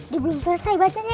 dia belum selesai bacanya